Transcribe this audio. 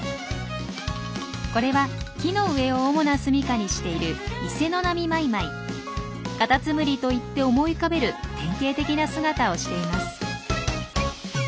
これは木の上を主な住みかにしているカタツムリといって思い浮かべる典型的な姿をしています。